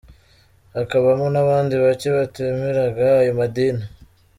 Hakabamo n’abandi bake batemeraga ayo madini.